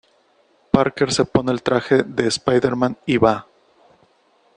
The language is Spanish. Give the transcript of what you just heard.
Parker se pone el traje de Spider-Man y va.